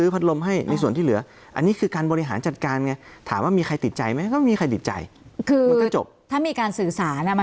ผมถามงี้สมมติกรณีของยกตัวอย่างพี่บิลได้ไหม